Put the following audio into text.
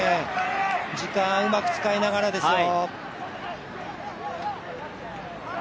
時間うまく使いながらですよ。